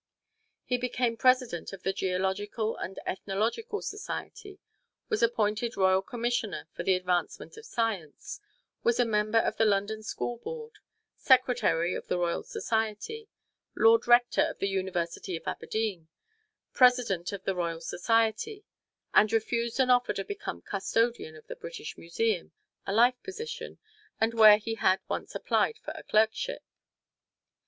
He became President of the Geological and Ethnological Society; was appointed Royal Commissioner for the Advancement of Science; was a member of the London School Board; Secretary of the Royal Society; Lord Rector of the University of Aberdeen; President of the Royal Society; and refused an offer to become Custodian of the British Museum, a life position, and where he had once applied for a clerkship.